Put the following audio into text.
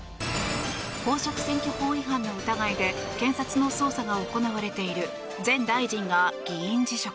公職選挙法違反の疑いで検察の捜査が行われている前大臣が議員辞職。